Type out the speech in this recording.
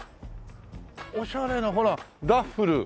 オシャレなほらダッフル！